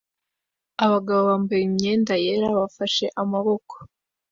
Abagabo bambaye imyenda yera bafashe amaboko